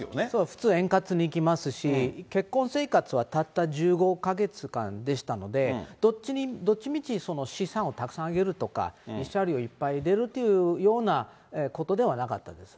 普通円滑にいきますし、結婚生活はたった１５か月間でしたので、どっちみち、その資産をたくさんあげるとか、慰謝料いっぱい出るというようなことではなかったです。